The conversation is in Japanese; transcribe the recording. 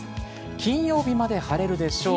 金曜日まで晴れるでしょう。